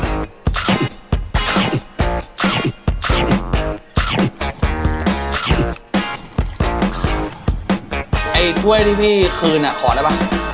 ไอ้กล้วยที่พี่คืนขอได้ป่ะ